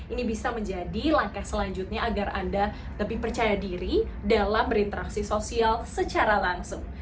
ini bisa menjadi langkah selanjutnya agar anda lebih percaya diri dalam berinteraksi sosial secara langsung